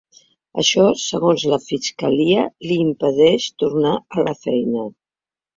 Això, segons la fiscalia, li impedeix tornar a la feina.